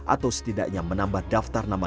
atau setidaknya menambah daftar nama